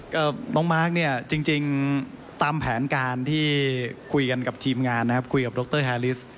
ก็น้องมาร์คเนี่ยจริงตามแผนการณ์ที่คุยกันกับทีมงานนะครับ